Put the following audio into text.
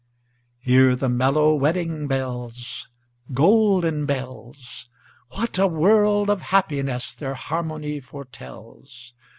Hear the mellow wedding bells, Golden bells! What a world of happiness their harmony foretells!